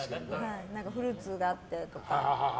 フルーツがあってとか。